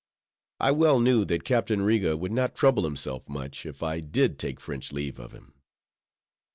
I well knew that Captain Riga would not trouble himself much, if I did take French leave of him.